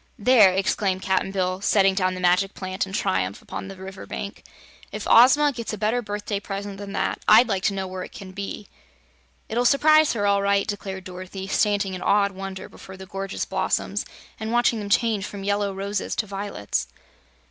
"There," exclaimed Cap'n Bill, setting down the Magic Plant in triumph upon the river bank, "if Ozma gets a better birthday present than that, I'd like to know what it can be!" "It'll s'prise her, all right," declared Dorothy, standing in awed wonder before the gorgeous blossoms and watching them change from yellow roses to violets.